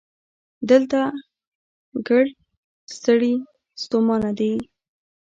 دلته ګړد ستړي ستومانه دي